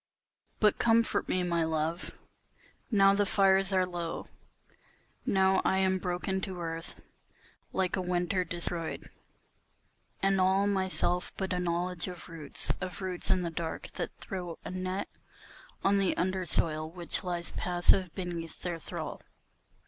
But comfort me, my love, now the fires are low, Now I am broken to earth like a winter destroyed, and all Myself but a knowledge of roots, of roots in the dark that throw A net on the undersoil, which lies passive beneath their thrall.